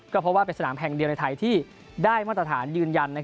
ก็เพราะว่าเป็นสนามแห่งเดียวในไทยที่ได้มาตรฐานยืนยัน